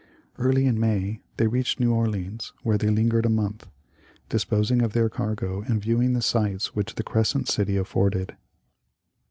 Early in May they reached New Orleans, where they lingered a month, disposing of their cargo and viewing the sights which the Crescent City afforded.